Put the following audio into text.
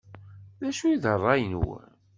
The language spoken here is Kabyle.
D acu i d rray-nwen?